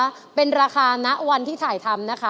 ผักทั้งหมดนะคะเป็นราคานักวันที่ถ่ายทำนะคะ